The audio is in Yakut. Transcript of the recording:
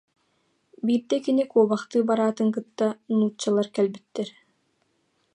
Биирдэ кини куобахтыы бараатын кытта нууччалар кэлбиттэр